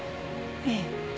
ええ。